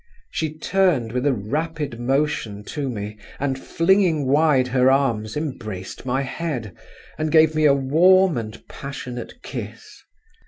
She turned with a rapid motion to me, and flinging wide her arms, embraced my head, and gave me a warm and passionate kiss.